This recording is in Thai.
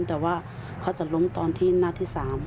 แต่ว่าเขาจะล้มตอนที่นัดที่๓